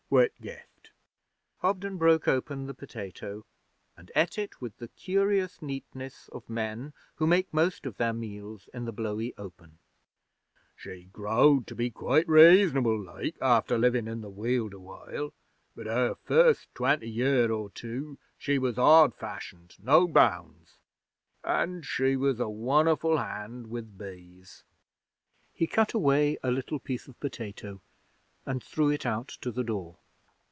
'Whitgift.' Hobden broke open the potato and ate it with the curious neatness of men who make most of their meals in the blowy open. 'She growed to be quite reasonable like after livin' in the Weald awhile, but our first twenty year or two she was odd fashioned, no bounds. And she was a won'erful hand with bees.' He cut away a little piece of potato and threw it out to the door.